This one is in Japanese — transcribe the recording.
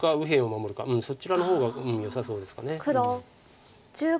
うんそちらの方がよさそうですか。